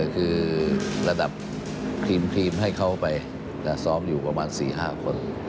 คือระดับครีมให้เขาไปซ้อมอยู่ประมาณ๔๕คน